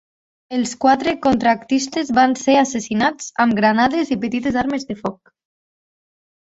Els quatre contractistes van ser assassinats amb granades i petites armes de foc.